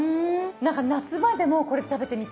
何か夏場でもこれ食べてみたい。